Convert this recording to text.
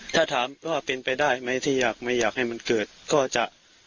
ถ้าถามว่าเป็นไปได้ไหมที่อยากไม่อยากให้มันเกิดก็จะ